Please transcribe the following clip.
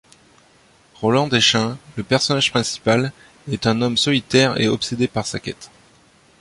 Roland Deschain, le personnage principal, est un homme solitaire et obsédé par sa quête.